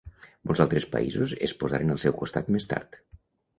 Molts altres països es posaren al seu costat més tard.